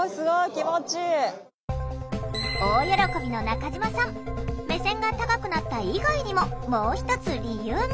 大喜びの中嶋さん目線が高くなった以外にももう一つ理由が。